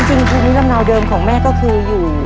จริงผู้นิดลำเณิดเดิมของแม่ก็คืออยู่